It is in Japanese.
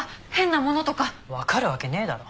わかるわけねえだろ。